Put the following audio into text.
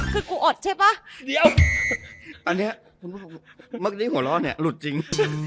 คือกูอดใช่ป่ะเดี๋ยวอันเนี้ยมันดิ้งหัวรอเนี้ยหลุดจริง